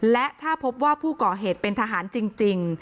และถ้าพบว่าผู้ก่อเหตุเป็นทหารจริง